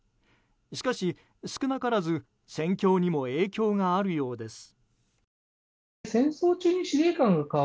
しかし、少なからず戦況にも影響があるようです。